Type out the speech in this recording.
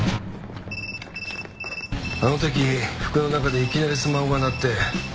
あの時服の中でいきなりスマホが鳴って。